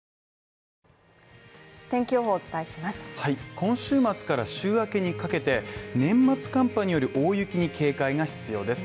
今週末から週明けにかけて年末寒波による大雪に警戒が必要です。